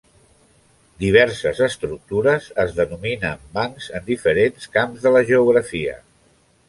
Diverses estructures es denominen bancs en diferents camps de la geografia.